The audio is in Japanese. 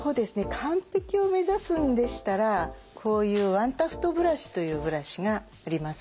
完璧を目指すんでしたらこういうワンタフトブラシというブラシがあります。